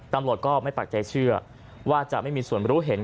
ตำรวจก็ไม่ปักใจเชื่อว่าจะไม่มีส่วนรู้เห็น